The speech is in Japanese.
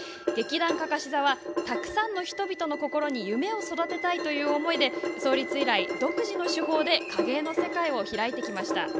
劇団かかし座はたくさんの人々の心に夢を育てたいという思いで創立以来独自の手法で影絵の世界を開いてきました。